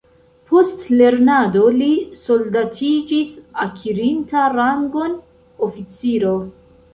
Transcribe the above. Post lernado li soldatiĝis akirinta rangon oficiro.